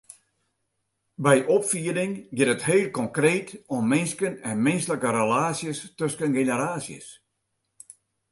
By opfieding giet it heel konkreet om minsken en minsklike relaasjes tusken generaasjes.